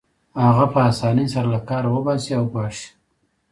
هغه په اسانۍ سره له کاره وباسي او ګواښي